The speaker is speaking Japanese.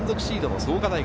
シードの中央大学。